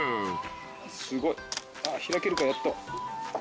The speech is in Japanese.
すごい。あっ開けるかやっと。